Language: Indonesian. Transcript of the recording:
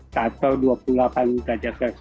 jadi itu adalah perubahan